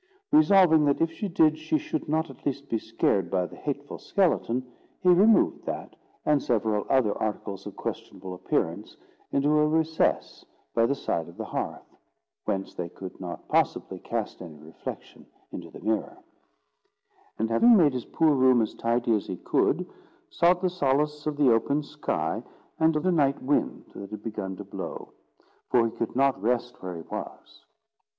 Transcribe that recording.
Resolving that if she did, she should not at least be scared by the hateful skeleton, he removed that and several other articles of questionable appearance into a recess by the side of the hearth, whence they could not possibly cast any reflection into the mirror; and having made his poor room as tidy as he could, sought the solace of the open sky and of a night wind that had begun to blow, for he could not rest where he was.